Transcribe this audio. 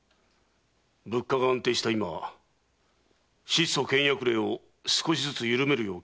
物価が安定した今質素倹約令を少しずつ緩めるよう検討いたせ。